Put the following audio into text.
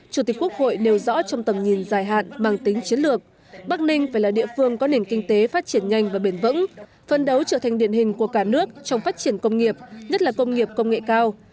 chủ tịch quốc hội nêu rõ trong tầm nhìn dài hạn mang tính chiến lược bắc ninh phải là địa phương có nền kinh tế phát triển nhanh và bền vững phân đấu trở thành điện hình của cả nước trong phát triển công nghiệp nhất là công nghiệp công nghệ cao